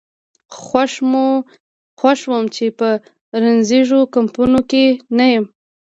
خوښ وم چې په روزنیزو کمپونو کې نه یم.